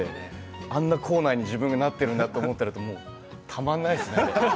あんな口内に自分がなっているんだと思ったらたまらないですね。